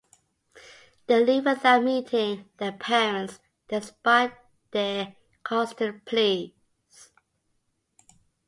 They leave without meeting their parents despite their constant pleas.